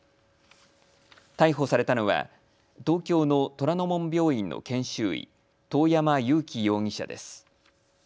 逮捕されたのは東京の虎の門病院の研修医、遠山友希容疑者です。